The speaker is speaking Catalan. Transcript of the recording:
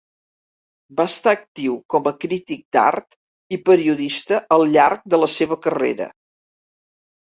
Va estar actiu com a crític d'art i periodista al llarg de la seva carrera.